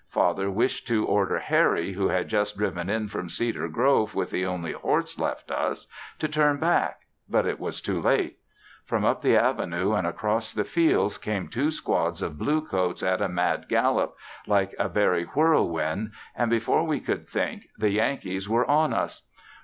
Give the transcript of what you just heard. Father wished to order Harry, who had just driven in from Cedar Grove with the only horse left us, to turn back, but it was too late. From up the avenue and across the fields came two squads of blue coats at a mad gallop, like a very whirl wind, and before we could think, the Yankees were on us!